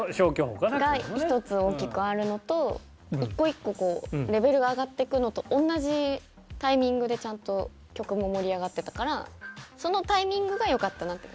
ここもね。がひとつ大きくあるのと一個一個こうレベルが上がっていくのと同じタイミングでちゃんと曲も盛り上がってたからそのタイミングがよかったなって。